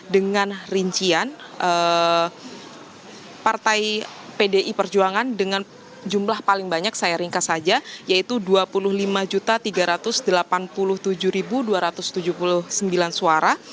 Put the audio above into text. dengan rincian partai pdi perjuangan dengan jumlah paling banyak saya ringkas saja yaitu dua puluh lima tiga ratus delapan puluh tujuh dua ratus tujuh puluh sembilan suara